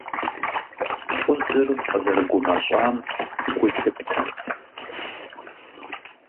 Лӏыжьыр къызэрыгумэщӀам гу лъыптэрт.